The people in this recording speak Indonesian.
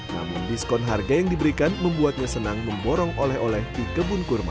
namun diskon harga yang diberikan membuatnya senang memborong oleh oleh di kebun kurma